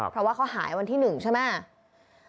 เพราะว่าเขาหายวันที่๑ใช่ไหม